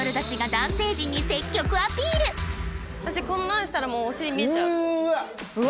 私こんなんしたらもうお尻見えちゃう。